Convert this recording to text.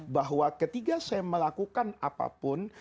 bahwa ketika saya melakukan apapun